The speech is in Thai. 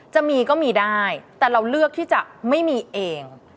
จะมีก็มีได้แต่เราเลือกที่จะไม่มีเอง